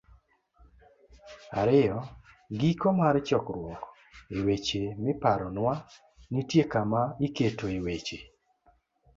ii- Giko mar chokruok E weche miparonwa, nitie kama iketoe weche